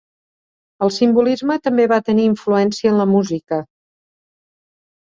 El simbolisme també va tenir influència en la música.